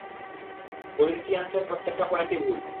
করিন্থিয়ানসের প্রত্যেকটা পয়েন্টই ভুল।